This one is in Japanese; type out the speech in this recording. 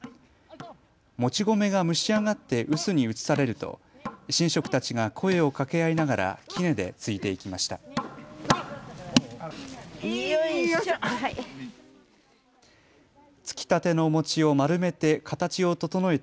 もち米が蒸し上がって臼に移されると神職たちが声をかけ合いながらきねでついていきました。